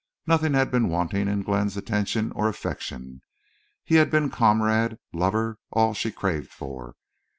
Nothing had been wanting in Glenn's attention or affection. He had been comrade, lover, all she craved for.